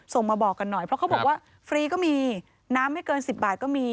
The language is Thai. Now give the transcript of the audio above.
มาบอกกันหน่อยเพราะเขาบอกว่าฟรีก็มีน้ำไม่เกิน๑๐บาทก็มี